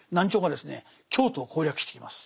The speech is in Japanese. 京都を攻略していきます。